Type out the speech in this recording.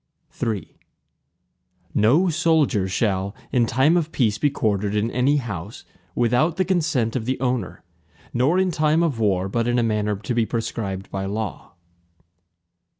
III No soldier shall, in time of peace be quartered in any house, without the consent of the owner, nor in time of war, but in a manner to be prescribed by law.